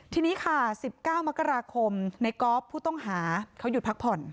ทีนี้ค่ะ๑๙มกราคมในกอล์ฟผู้ต้องหาเขาหยุดพักผ่อน